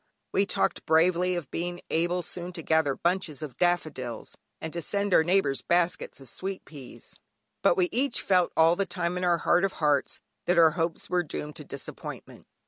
We talked bravely of being able soon to gather bunches of daffodils, and to send our neighbours baskets of sweet peas. But we each felt all the time in our heart of hearts, that our hopes were doomed to disappointment.